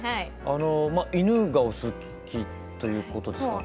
あの犬がお好きということですか？